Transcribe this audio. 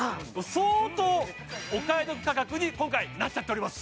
相当お買い得価格に今回なっちゃっております